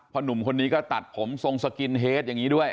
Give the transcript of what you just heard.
หนุ่มคนนี้ก็ตัดผมทรงสกินเฮดอย่างนี้ด้วย